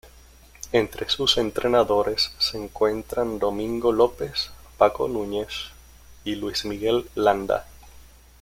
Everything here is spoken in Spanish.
Entre sus entrenadores se encuentran Domingo López, Paco Núñez y Luis Miguel Landa.